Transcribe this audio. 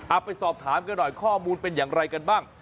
ไปสอบถามกันหน่อยข้อมูลเป็นอย่างไรกันบ้าง